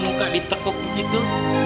muka di tekuk gitu